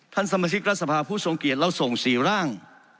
ท่านสมศิษฐ์รัฐศาสบายผู้ทรงเกลียดเราส่ง๔ร่าง